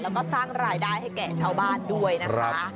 แล้วก็สร้างรายได้ให้แก่ชาวบ้านด้วยนะคะ